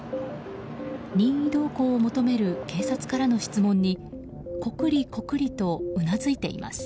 任意同行を求める警察からの質問にこくりこくりとうなずいています。